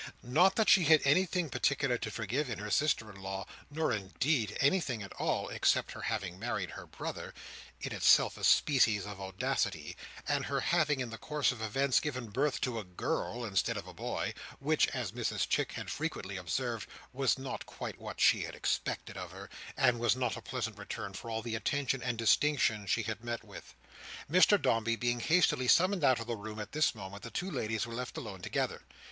Not that she had anything particular to forgive in her sister in law, nor indeed anything at all, except her having married her brother—in itself a species of audacity—and her having, in the course of events, given birth to a girl instead of a boy: which, as Mrs Chick had frequently observed, was not quite what she had expected of her, and was not a pleasant return for all the attention and distinction she had met with. Mr Dombey being hastily summoned out of the room at this moment, the two ladies were left alone together.